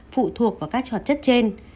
phụ thuộc vào các hỏa chất trên